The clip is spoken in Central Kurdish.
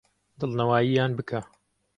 دڵنەوایییان بکە.